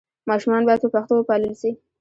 ماشومان باید په پښتو وپالل سي.